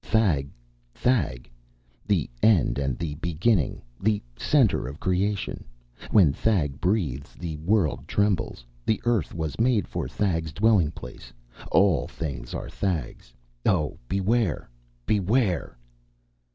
"Thag Thag, the end and the beginning, the center of creation. When Thag breathes the world trembles. The earth was made for Thag's dwelling place. All things are Thag's. Oh, beware! Beware!"